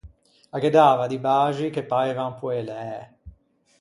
A ghe dava di baxi che paivan poëlæ.